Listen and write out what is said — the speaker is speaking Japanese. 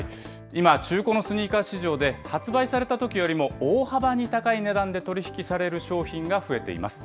今、中古のスニーカー市場で、発売されたときよりも大幅に高い値段で取り引きされる商品が増えています。